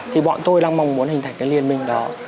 thì bọn tôi đang mong muốn hình thành cái liên minh đó